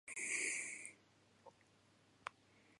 長野県諏訪市